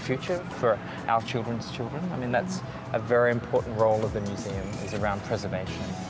itu adalah peran yang sangat penting di dalam museum yaitu perlindungan